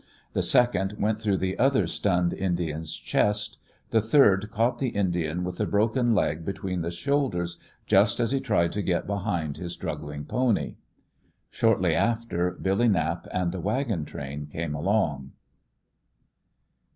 The second went through the other stunned Indian's chest. The third caught the Indian with the broken leg between the shoulders just as he tried to get behind his struggling pony. Shortly after, Billy Knapp and the wagon train came along.